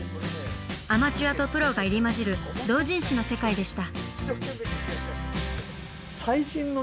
アマチュアとプロが入り交じる同人誌の世界でした。